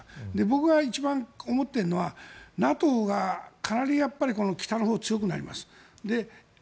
僕が一番思っているのはＮＡＴＯがかなり北のほう強くなります。